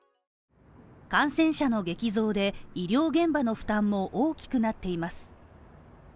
感染者の激増で、医療現場の負担も大きくなっています。